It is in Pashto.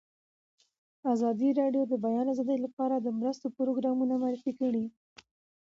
ازادي راډیو د د بیان آزادي لپاره د مرستو پروګرامونه معرفي کړي.